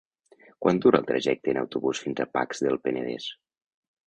Quant dura el trajecte en autobús fins a Pacs del Penedès?